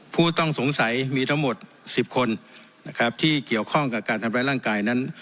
ผู้ต้องสงสัยมีทั้งหมด๑๐คนนะครับที่เกี่ยวข้องกับการทำร้ายร่างกายนั้น